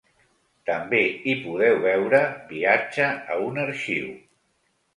També hi podeu veure: Viatge a un arxiu.